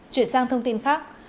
chuyển sang thông tin khác